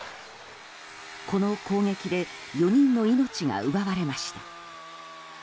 この攻撃で４人の命が奪われました。